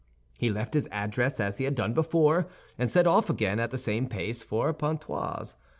He left his address as he had done before, and set off again at the same pace for Pontoise.